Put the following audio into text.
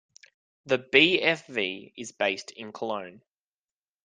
The BfV is based in Cologne.